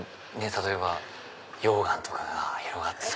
例えば溶岩とかが広がってて。